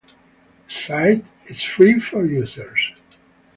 The site is free for users.